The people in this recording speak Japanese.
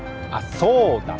そうだ